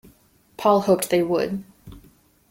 Paul hoped they would.